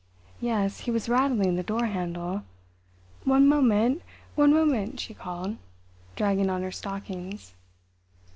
Yes, he was rattling the door handle. "One moment, one moment," she called, dragging on her stockings.